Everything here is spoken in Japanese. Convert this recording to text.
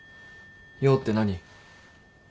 用って何？